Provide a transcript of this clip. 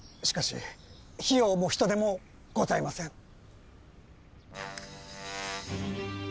しかし費用も人手もございません。